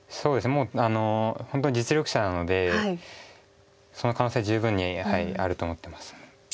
もう本当に実力者なのでその可能性は十分にあると思ってます。